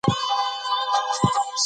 که ماشوم خواږه خوړل خوښوي، باید محدود شي.